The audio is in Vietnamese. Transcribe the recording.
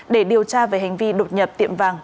để điều tra về hành vi đột nhập tiệm vàng